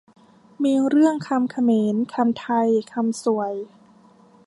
มีเรื่องคำเขมร คำไทย คำส่วย